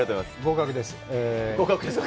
合格ですか？